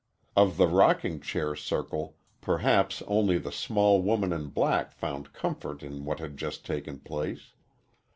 Of the rocking chair circle, perhaps only the small woman in black found comfort in what had just taken place.